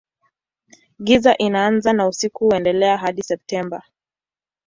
Giza inaanza na usiku huendelea hadi Septemba.